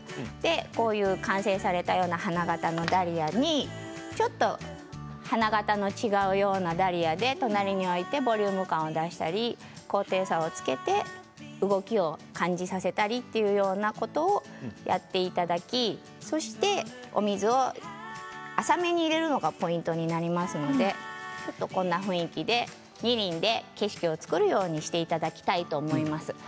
こういう完成された花形のダリアにちょっと花形の違うダリアを隣に置いてボリューム感を出したり高低差をつけて動きを感じさせたりというようなことをやっていただきそしてお水を浅めに入れるのがポイントになりますのでこんな雰囲気で２輪で景色を作るようにしていただきたいと思います。